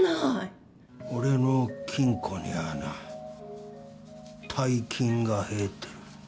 俺の金庫にはな大金が入ってる